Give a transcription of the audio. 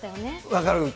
分かる。